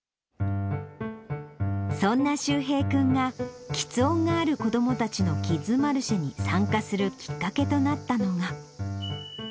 そんな柊平君が、きつ音がある子どもたちのキッズマルシェに参加するきっかけとなったのが。